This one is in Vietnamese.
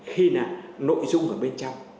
khi nội dung ở bên trong